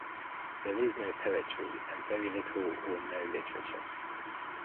There is no poetry, and very little or no literature.